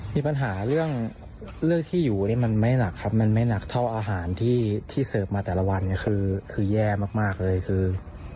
มีปัญหาเรื่องที่อยู่นี่มันไม่หนักครับมันไม่หนักเท่าอาหารที่เสิร์ฟมาแต่ละวันคือแย่มากเลยคือ